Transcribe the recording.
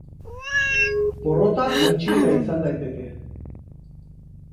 Porrota jaitsiera izan daiteke.